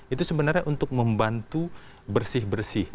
itu sebenarnya untuk membantu bersih bersih